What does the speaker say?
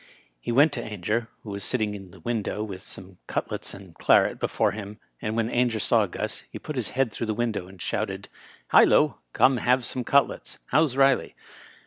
He went to Ainger, who was sitting in the window with some cut lets and claret before him, and when Ainger saw Gus he put his head through the window and shouted, " Hillo! Come and have some cutlets. How's Riley